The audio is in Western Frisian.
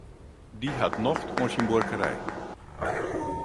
Dy hat nocht oan syn buorkerij.